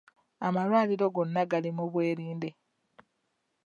Amalwaliro gonna gali mu bwerinde.